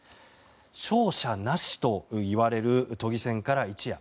勝者なしといわれる都議選から一夜。